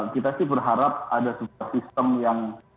kita sih berharap ada sebuah sistem yang